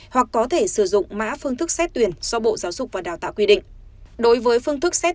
hoặc có thể sử dụng mã phương thức xét tuyển do bộ giáo dục và đào tạo quy định